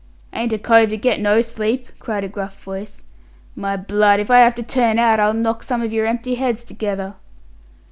"Ain't a cove to get no sleep?" cried a gruff voice. "My blood, if I have to turn out, I'll knock some of your empty heads together."